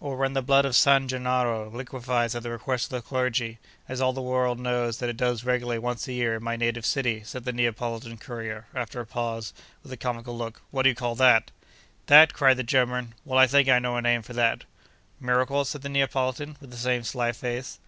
'Or when the blood of San Gennaro liquefies at the request of the clergy—as all the world knows that it does regularly once a year, in my native city,' said the Neapolitan courier after a pause, with a comical look, 'what do you call that?' 'That!' cried the German. 'Well, I think I know a name for that.' 'Miracle?' said the Neapolitan, with the same sly face.